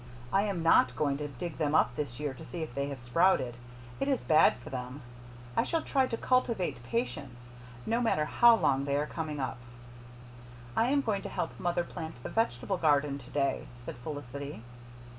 I am NOT going to dig them up this year to see if they have sprouted. It is bad for them. I shall try to cultivate patience, no matter how long they are coming up." "I am going to help mother plant the vegetable garden to day," said Felicity.